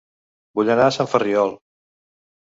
Vull anar a Sant Ferriol